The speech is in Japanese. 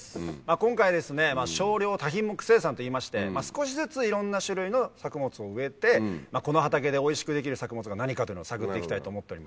今回ですね少量多品目生産といいまして少しずついろんな種類の作物を植えてこの畑でおいしくできる作物が何かというのを探って行きたいと思っております。